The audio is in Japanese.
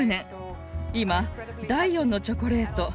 今「第４のチョコレート」